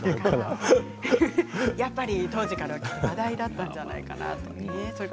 やっぱり当時から話題だったんじゃないかなと思います。